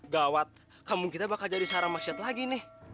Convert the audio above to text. gawat kambung kita bakal jadi searah maksiat lagi nih